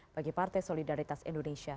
bagi partai solidaritas indonesia